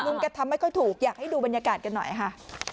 แกทำไม่ค่อยถูกอยากให้ดูบรรยากาศกันหน่อยค่ะ